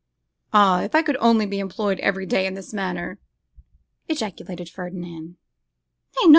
'Ah! if I could only be employed every day in this manner!' ejaculated Ferdinand.